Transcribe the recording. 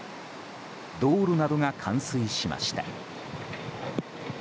道路などが冠水しました。